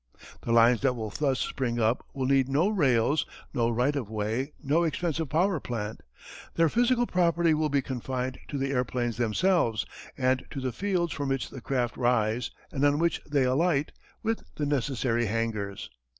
The lines that will thus spring up will need no rails, no right of way, no expensive power plant. Their physical property will be confined to the airplanes themselves and to the fields from which the craft rise and on which they alight, with the necessary hangars.